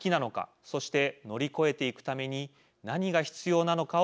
そして乗り越えていくために何が必要なのかを考えます。